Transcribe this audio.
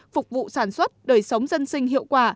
phục vụ sản xuất đời sống dân sinh hiệu quả